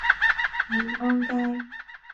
燕安街